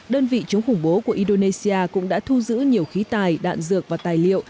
đơn vị chống khủng bố của indonesia cũng đã thu giữ nhiều khí tài đạn dược và tài liệu